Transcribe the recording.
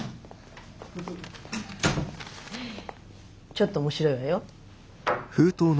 ちょっと面白いわよ。